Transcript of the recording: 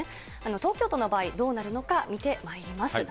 東京都の場合、どうなるのか見てまいります。